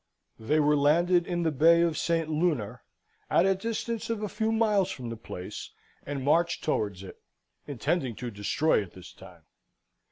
They were landed in the Bay of St. Lunar, at a distance of a few miles from the place, and marched towards it, intending to destroy it this time.